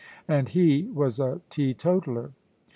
And he was a teetotaller.